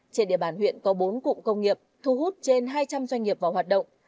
trên địa bàn huyện có bốn cụm công nghiệp thu hút trên hai trăm linh doanh nghiệp vào hoạt động